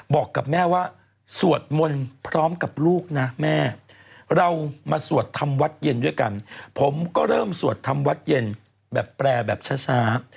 บอกกับแม่ว่าสวดมนต์พร้อมกับลูกนะแม่เรามาสวดทำวัดเย็นด้วยกันผมก็เริ่มสวดทำวัดเย็นแบบแปรแบบช้า